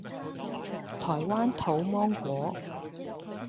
台灣土芒果